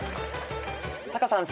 タカさん